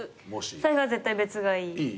財布は絶対別がいい。